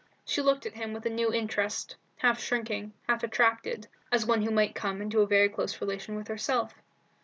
She looked at him with a new interest, half shrinking, half attracted, as one who might come into a very close relation with herself.